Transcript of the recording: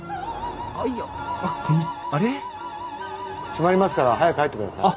閉まりますから早く入ってください。